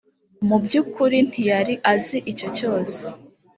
mu by ukuri ntiyari azi icyo cyose